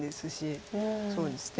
そうですね。